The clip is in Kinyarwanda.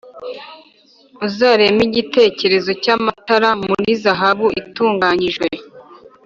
Uzareme igitereko cy amatara muri zahabu itunganyijwe